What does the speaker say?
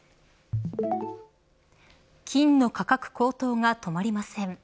金の価格高騰が止まりません。